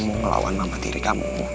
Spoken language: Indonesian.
melawan mama tiri kamu